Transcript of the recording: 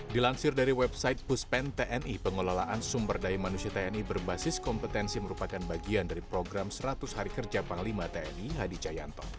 dilansir dari website puspen tni pengelolaan sumber daya manusia tni berbasis kompetensi merupakan bagian dari program seratus hari kerja panglima tni hadi cahyanto